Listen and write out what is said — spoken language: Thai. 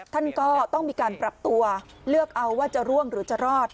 ท่านก็ต้องมีการปรับตัวเลือกเอาว่าจะร่วงหรือจะรอด